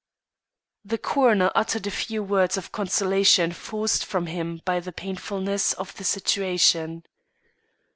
The coroner uttered a few words of consolation forced from him by the painfulness of the situation.